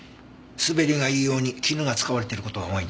滑りがいいように絹が使われている事が多いんだ。